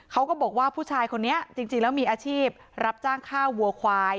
เขาก็บอกว่าผู้ชายคนนี้จริงแล้วมีอาชีพรับจ้างฆ่าวัวควาย